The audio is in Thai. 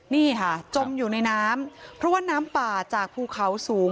นี่ค่ะจมอยู่ในน้ำเพราะว่าน้ำป่าจากภูเขาสูง